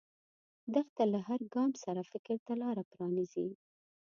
دښته له هر ګام سره فکر ته لاره پرانیزي.